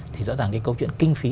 thì rõ ràng cái câu chuyện kinh phí